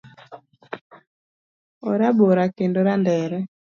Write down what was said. Orabora kendo randere